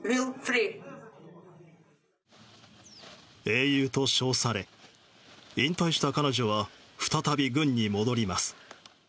英雄と称され引退した彼女は再び軍に戻ります。